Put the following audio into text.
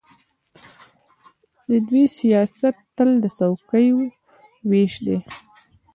د دوی سیاست تل د څوکۍو وېش دی.